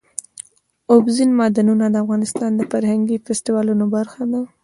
اوبزین معدنونه د افغانستان د فرهنګي فستیوالونو برخه ده.